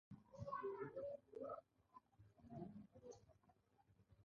ملت باید خپل درد ومني.